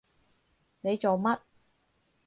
你做乜？